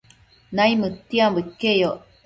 Naimëdtiambo iqueyoc